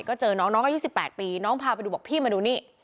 ก็เจอน้องน้องอายุ๑๘ปีน้องพาไปดูบอกพี่มาดูนี่